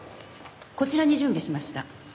こちらに準備しました。